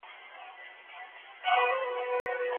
خو په اعتدال یې وڅښئ.